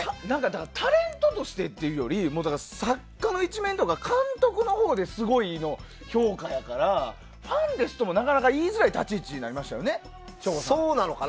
だからタレントとしてっていうより作家とか監督のほうですごい評価やからファンですともなかなか言いづらい立ち位置になりましたよね、省吾さんは。